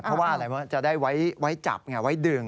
เพราะว่าอะไรจะได้ไว้จับไงไว้ดึง